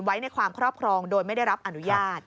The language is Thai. ไว้ในความครอบครองโดยไม่ได้รับอนุญาต